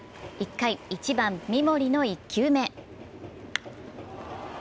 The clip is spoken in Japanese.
１回、１番・三森の１球目。